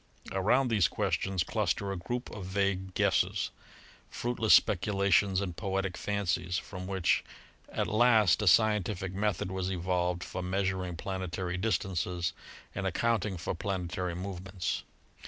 Around these questions cluster a group of vague guesses, fruitless speculations and poetic fancies, from which at last a scientific method was evolved for measuring plane tary distances and accounting for planetary movements.